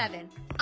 あ。